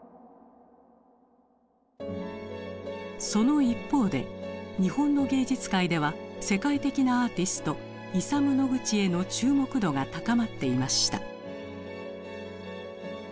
その一方で日本の芸術界では世界的なアーティストイサム・ノグチへの注目度が高まっていました。